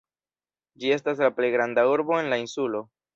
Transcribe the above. Ĝi estas la plej granda urbo en la insulo.